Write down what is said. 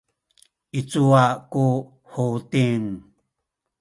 i cuwa ku Huting?